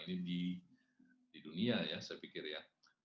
ini di dunia ya saya pikir ya